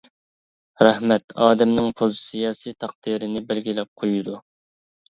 رەھمەت ئادەمنىڭ پوزىتسىيەسى تەقدىرىنى بەلگىلەپ قويىدۇ.